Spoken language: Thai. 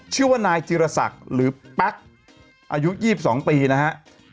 ชื่อว่านายจิรศักดิ์หรือแป๊กอายุ๒๒ปีนะฮะ